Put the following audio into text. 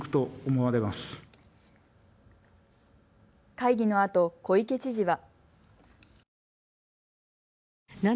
会議のあと、小池知事は。